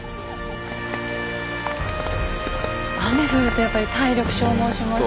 雨降るとやっぱり体力消耗しますし。